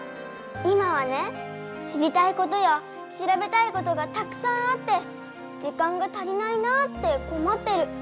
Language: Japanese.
今はね知りたいことやしらべたいことがたくさんあって時間が足りないなってこまってる。